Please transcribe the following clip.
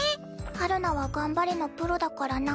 陽菜は「頑張れ」のプロだからな。